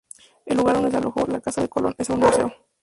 El lugar donde se alojó, la Casa de Colón, es ahora un museo.